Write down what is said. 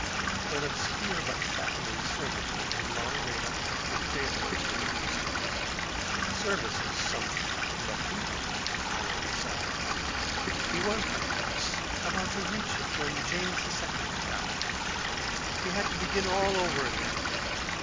An obscure but fattening servitude had long made up Barkilphedro's whole existence. Service is something; but he wanted power besides. He was, perhaps, about to reach it when James II. fell. He had to begin all over again.